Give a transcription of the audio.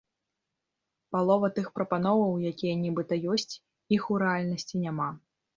Палова тых прапановаў, якія нібыта ёсць, іх у рэальнасці няма.